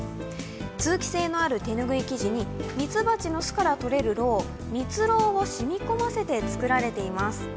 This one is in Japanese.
通気性のある手拭い生地にみつばちの巣からとれるろう、蜜ろうを染み込ませて作られています。